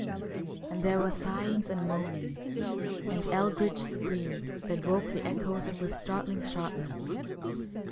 And there were sighings and moanings, and eldritch screams that woke the echoes with startling sharpness.